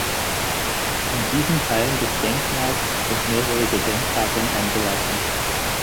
In diesen Teil des Denkmals sind mehrere Gedenktafeln eingelassen.